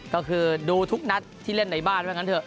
ก็คือดูทุกนัดที่เล่นในบ้านว่างั้นเถ